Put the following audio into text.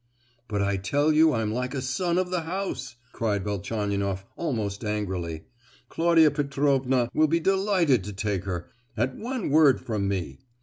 "But I tell you I'm like a son of the house!" cried Velchaninoff, almost angrily. "Claudia Petrovna will be delighted to take her, at one word from me!